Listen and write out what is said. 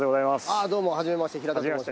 ああどうもはじめまして。